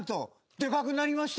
でかくなりました。